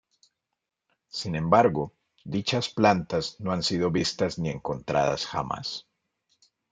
Sin embargo, dichas plantas no han sido vistas ni encontradas jamás.